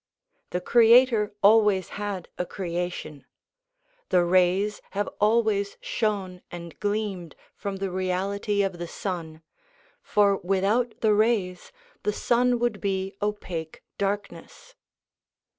The Creator always had a creation : the rays have always shone and gleamed from the reality of the sun, for without the rays the sun would be opaque darkness.